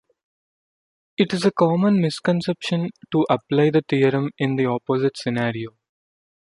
It is a common misconception to apply the theorem in the opposite scenario.